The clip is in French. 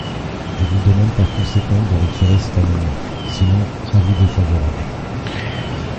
Je vous demande par conséquent de retirer ces amendements, sinon avis défavorable.